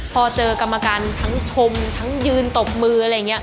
พอเจอกรรมการทั้งชมทั้งยืนตบมืออะไรอย่างนี้